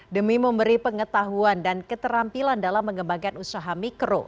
demi memberi pengetahuan dan keterampilan dalam mengembangkan usaha mikro